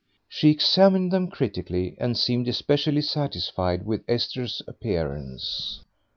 She examined them critically, and seemed especially satisfied with Esther's appearance.